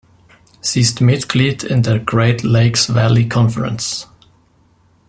Sie ist Mitglied in der "Great Lakes Valley Conference".